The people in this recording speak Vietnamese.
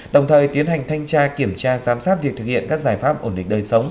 đồng thời tiến hành thanh tra kiểm tra giám sát việc thực hiện các giải pháp ổn định đời sống